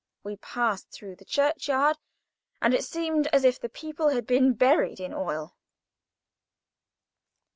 We passed through the church yard, and it seemed as if the people had been buried in oil.